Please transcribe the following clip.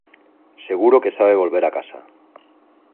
seguro que sabe volver a casa.